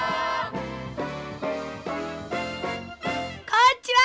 こんにちは。